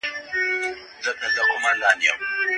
د نفوس وده تر اقتصادي ودي باید کمه وي.